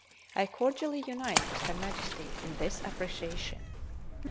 I cordially unite with Her Majesty in this appreciation.